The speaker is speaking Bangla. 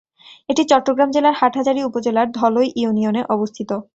এটি চট্টগ্রাম জেলার হাটহাজারী উপজেলার ধলই ইউনিয়নে অবস্থিত।